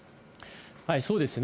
そうですね。